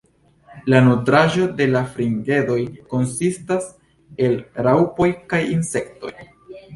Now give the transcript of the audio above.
La nutraĵo de la fringedoj konsistas el raŭpoj kaj insektoj.